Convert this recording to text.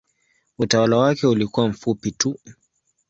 Utawala wake ulikuwa mfupi tu.